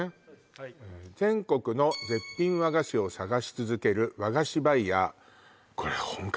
はい「全国の絶品和菓子を探し続ける和菓子バイヤー」